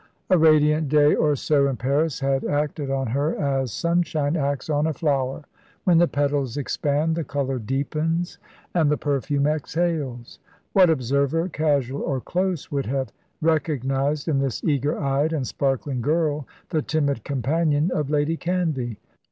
A radiant day or so in Paris had acted on her as sunshine acts on a flower, when the petals expand, the colour deepens, and the perfume exhales. What observer, casual or close, would have recognised in this eager eyed and sparkling girl the timid companion of Lady Canvey?